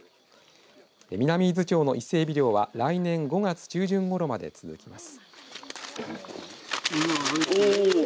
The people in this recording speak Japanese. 南伊豆町の伊勢エビ漁は来年５月中旬ごろまで続きます。